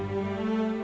aku mau ke rumah